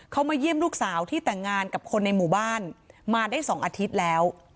เขามาเยี่ยมลูกสาวที่แต่งงานกับคนในหมู่บ้านมาได้๒อาทิตย์แล้ว